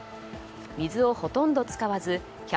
水をほとんど使わず１００％